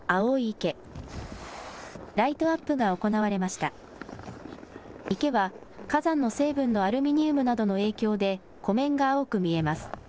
池は火山の成分のアルミニウムなどの影響で湖面が青く見えます。